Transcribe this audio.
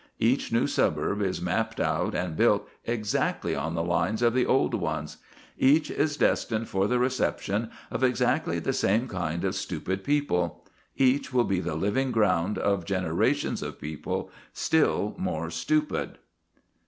Each new suburb is mapped out and built exactly on the lines of the old ones; each is destined for the reception of exactly the same kind of stupid people; each will be the living ground of generations of people still more stupid.